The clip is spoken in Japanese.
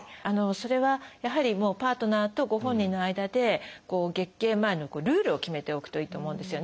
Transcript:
それはやはりパートナーとご本人の間で月経前のルールを決めておくといいと思うんですよね。